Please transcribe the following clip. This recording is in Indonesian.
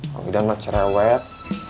kalau tidak nge curewet